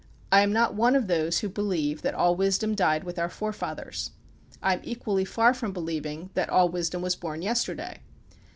I am not one of those who believe that all wisdom died with our forefathers. I am equally far from believing that all wisdom was born yesterday.